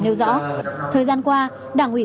nêu rõ thời gian qua đảng ủy